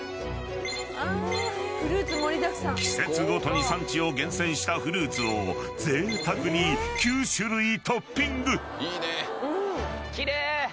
［季節ごとに産地を厳選したフルーツをぜいたくに９種類トッピング］